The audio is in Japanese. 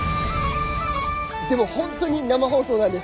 でも本当に生放送なんです。